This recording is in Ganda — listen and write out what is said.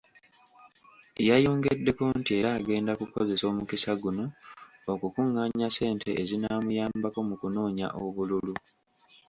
Yayongeddeko nti era agenda kukozesa omukisa guno okukunganya ssente ezinaamuyambako mu kunoonya obululu.